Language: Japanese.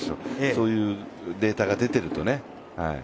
そういうデータが出ているとね。